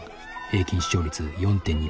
平均視聴率４．２％。